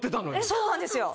そうなんですよ。